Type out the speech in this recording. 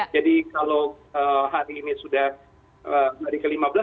jadi kalau hari ini sudah hari ke lima belas